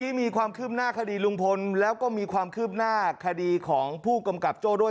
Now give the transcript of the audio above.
วันนี้มีความคืบหน้าคดีลุงพลแล้วก็มีความคืบหน้าคดีของผู้กำกับโจ้ด้วย